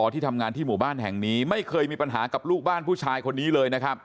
ที่ทำงานที่หมู่บ้านแห่งนี้ไม่เคยมีปัญหากับลูกบ้านผู้ชายคนนี้เลยนะครับ